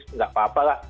tidak apa apa lah